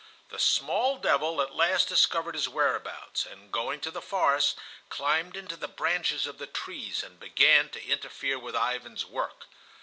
The small devil at last discovered his whereabouts, and going to the forest climbed into the branches of the trees and began to interfere with Ivan's work.